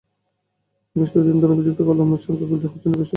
বেশ কিছুদিন ধরে অভিযুক্ত আলমের সঙ্গে গুলজার হোসেনের ব্যবসায়িক দ্বন্দ্ব ছিল।